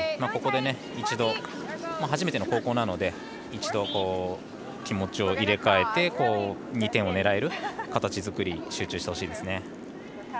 ここで一度、初めての後攻なので気持ちを入れ替えて２点を狙える形作りに集中してほしいですね。